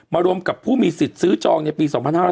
รวมกับผู้มีสิทธิ์ซื้อจองในปี๒๕๕๙